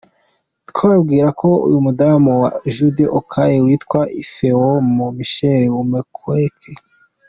Twababwira ko umudamu wa Jude Okoye yitwa Ifeoma Michelle Umeokeke.